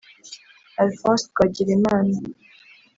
Alphonse Twagirimana